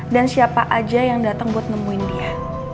dan siapa aja yang dateng buat nemuin dia